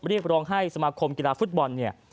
เรียกร้องให้สมาคมกีฬาฟุตบอลเนี่ย